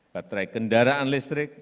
baterai kendaraan listrik